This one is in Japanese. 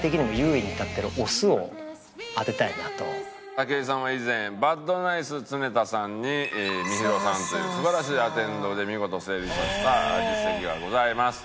武井さんは以前バッドナイス常田さんにみひろさんという素晴らしいアテンドで見事成立させた実績がございます。